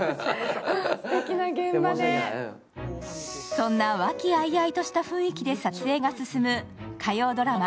そんな和気あいあいとした雰囲気で撮影が進む火曜ドラマ